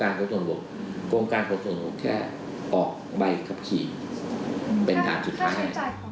โรงการขนส่งก็แค่ออกใบขับขี่เป็นทางสุดท้าย